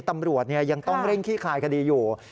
ตำรวจนี่ยังต้องเร่งคลี่คลายคดีอยู่ค่ะ